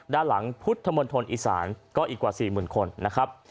ด้านหลังพุทธมณฑลอีสานก็อีกกว่า๔๐๐๐คนนะครับ